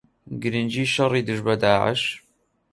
گرنگی شەڕی دژ بە داعش